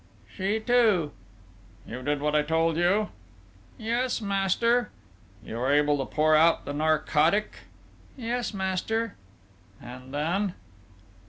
"She, too." "You did what I told you?" "Yes, master." "You were able to pour out the narcotic?" "Yes, master." "And then?"